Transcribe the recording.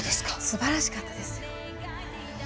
すばらしかったです。